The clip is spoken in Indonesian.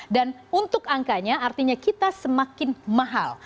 dan untuk angkanya artinya kita semakin mahal